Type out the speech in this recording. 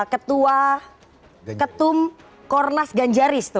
ketua ketum kornas ganjaris